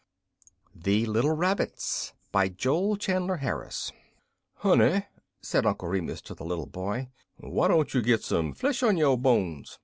The Little Rabbits JOEL CHANDLER HARRIS "Honey," said Uncle Remus to the little boy, "why don' you git some flesh on yo' bones?